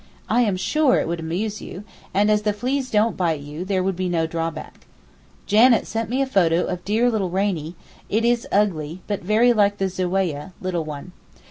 I am sure it would amuse you, and as the fleas don't bite you there would be no drawback. Janet sent me a photo of dear little Rainie; it is ugly, but very like the 'zuweyeh' (little one).